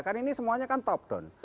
karena ini semuanya kan top down